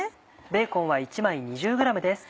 ベーコンは１枚２０ｇです。